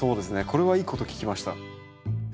これはいいこと聞きました。